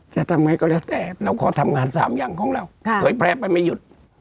จะทำไงก็แล้วแต่เราขอทำงาน๓อย่างของเราเผยแพร่ไปไม่หยุด